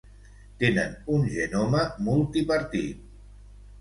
Tenen un genoma multipartit.